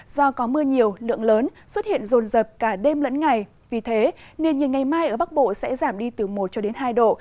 do có mưa nhiều lượng lớn xuất hiện rồn rập cả đêm lẫn ngày vì thế nền nhiệt ngày mai ở bắc bộ sẽ giảm đi từ một cho đến hai độ